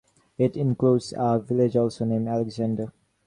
It includes a village also named Alexander.